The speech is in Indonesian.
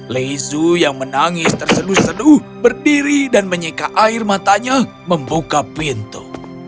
lezu yang menangis terseduh seduh berdiri dan menyika air matanya membuka pintu